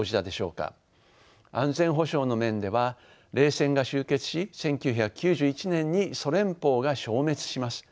安全保障の面では冷戦が終結し１９９１年にソ連邦が消滅します。